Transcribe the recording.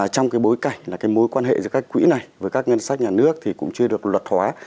trong bối cảnh mối quan hệ giữa các quỹ này với các ngân sách nhà nước cũng chưa được luật hóa